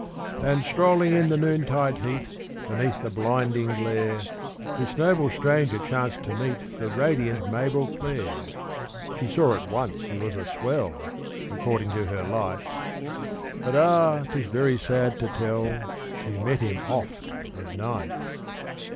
And strolling in the noontide heat, Beneath the blinding glare, This noble stranger chanced to meet The radiant Mabel Clare. She saw at once he was a swell According to her lights But, ah! 'tis very sad to tell, She met him oft of nights.